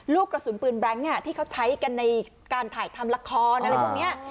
ลูกกระสุนปืนแบรงค์ที่เขาใช้กันในการถ่ายทำละครอะไรพวกนี้